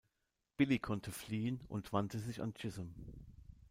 Billy konnte fliehen und wandte sich an Chisum.